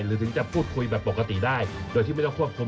ถึงจะพูดคุยแบบปกติได้โดยที่ไม่ต้องควบคุม